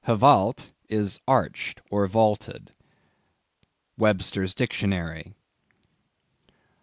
hvalt is arched or vaulted." —_Webster's Dictionary.